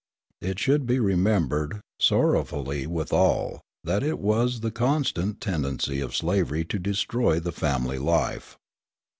It should be remembered, sorrowfully withal, that it was the constant tendency of slavery to destroy the family life.